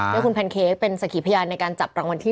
ด้วยคุณแพนเค้กเป็นสักขีพยานในการจับรางวัลที่๑